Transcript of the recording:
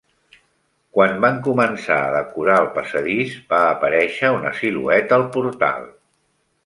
Quan van començar a decorar el passadís, va aparèixer una silueta al portal.